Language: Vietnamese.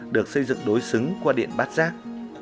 được xây dựng đối xứng qua điện bát giác